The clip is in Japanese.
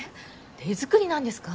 手作りなんですか！？